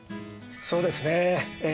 そうですねえ。